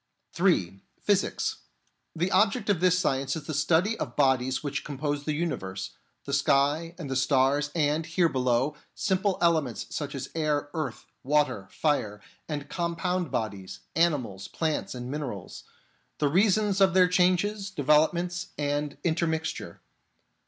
(3) Physics. The object of this science is the study of the bodies which compose the universe : the sky and the stars, and, here below, simple ele ments such as air, earth, water, fire, and compound bodies — animals, plants and minerals ; the reasons of their changes, developments, and intermixture.